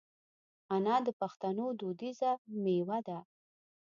انار د پښتنو دودیزه مېوه ده.